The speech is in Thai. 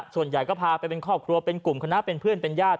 ส่วนใหญ่ก็พาไปเป็นครอบครัวเป็นกลุ่มคณะเป็นเพื่อนเป็นญาติ